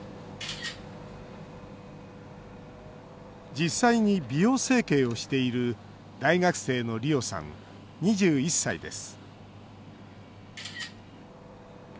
実際に美容整形をしている大学生のりおさん、２１歳です